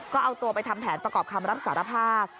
ก็เอาตัวไปทำแผนประกอบคำรับสารภาพ